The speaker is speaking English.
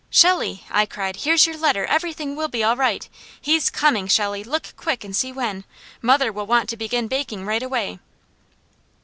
"Shelley!" I cried. "Here's your letter! Everything is all right! He's coming, Shelley! Look quick, and see when! Mother will want to begin baking right away!"